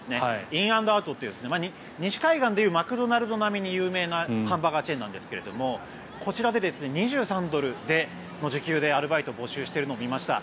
イン・アンド・アウトという西海岸でいうマクドナルド並みに有名なハンバーガーチェーンなんですがこちらで２３ドルの時給でアルバイトを募集しているのを見ました。